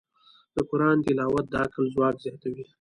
د قرآن تلاوت د عقل ځواک زیاتوي.